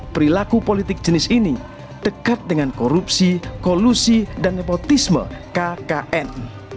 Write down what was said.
perilaku politik jenis ini dekat dengan korupsi kolusi dan nepotisme kkn